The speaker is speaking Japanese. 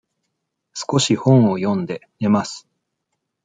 少し本を読んで、寝ます。